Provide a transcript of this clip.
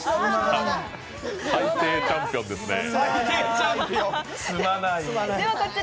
最低チャンピオンですね。